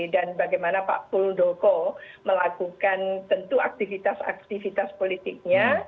dan bagaimana pak puldoko melakukan tentu aktivitas aktivitas politiknya